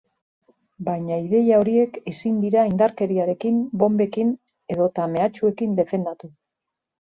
Baina ideia horiek ezin dira indarkeriarekin, bonbekin edota mehatxuekin defendatu.